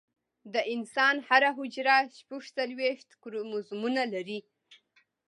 د انسان هره حجره شپږ څلوېښت کروموزومونه لري